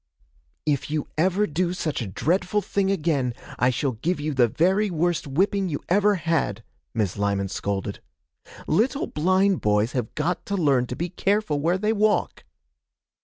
'If you ever do such a dreadful thing again, I shall give you the very worst whipping you ever had,' Miss Lyman scolded. 'Little blind boys have got to learn to be careful where they walk.'